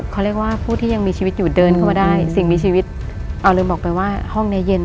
เขาเรียกว่าผู้ที่ยังมีชีวิตอยู่เดินเข้ามาได้สิ่งมีชีวิตเราเลยบอกไปว่าห้องนี้เย็น